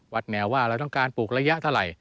แนวว่าเราต้องการปลูกระยะเท่าไหร่